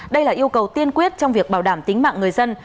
đây là yêu cầu tiên quyết trong việc bảo đảm tính mạng người dân